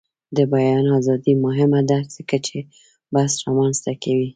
د بیان ازادي مهمه ده ځکه چې بحث رامنځته کوي.